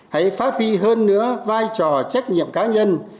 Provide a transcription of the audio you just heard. hãy phát huy hơn nữa vai trò trách nhiệm cá nhân